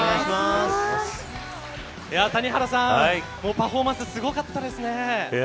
谷原さん、パフォーマンスすごかったですね。